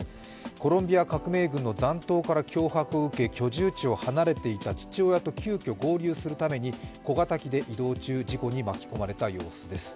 コロンビア革命軍の残党から脅迫を受け、居住地を離れていた父親と急きょ合流するために小型機で移動中、事故に巻き込まれた様子です。